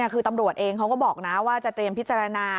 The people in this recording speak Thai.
คือตำรวจเองเขาก็บอกนะว่าจะเตรียมพิจารณา